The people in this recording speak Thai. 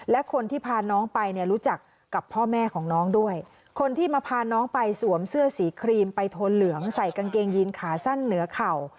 และคนที่พาน้องไปเนี่ยรู้จักกับพ่อแม่ของน้องด้วยคนที่มาพาน้องไปสวมเสื้อสีครีมไปโทนเหลืองใส่กางเกงยีนขาสั้นเหนือเข่า